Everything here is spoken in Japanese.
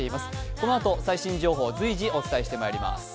このあと、最新情報を随時お伝えしてまいります。